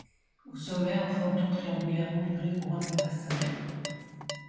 Au sommet un fronton triangulaire mouluré couronne la façade.